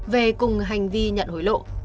về cùng hành vi nhận hối lộ